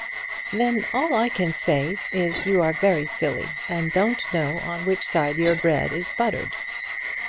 "Then all I can say is you are very silly, and don't know on which side your bread is buttered."